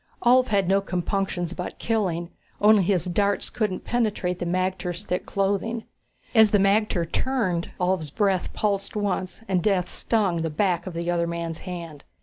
Ulv had no compunctions about killing, only his darts couldn't penetrate the magter's thick clothing. As the magter turned, Ulv's breath pulsed once and death stung the back of the other man's hand.